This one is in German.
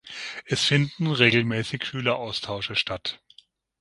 Es finden regelmäßig Schüleraustausche statt.